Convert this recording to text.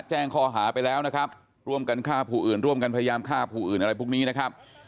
แจ้งข้อหาไปแล้วนะครับร่วมกันฆ่าผู้อื่นร่วมกันพยายามฆ่าผู้อื่นอะไรพวกนี้นะครับ